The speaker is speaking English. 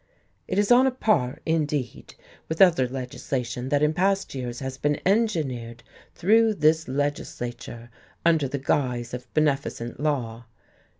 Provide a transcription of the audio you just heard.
It is on a par, indeed, with other legislation that in past years has been engineered through this legislature under the guise of beneficent law.